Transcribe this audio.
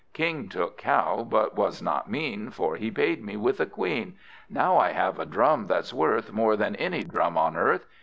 King took cow, but was not mean, For he paid me with a Queen. Now I have a drum, that's worth More than any drum on earth.